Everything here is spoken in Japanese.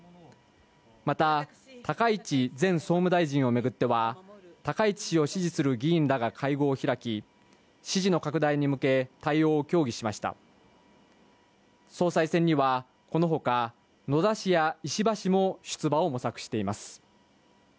また高市前総務大臣をめぐっては高市氏を支持する議員らが会合を開き支持の拡大に向け対応を協議しました総裁選にはこのほか野田氏や石破氏も出馬を模索しています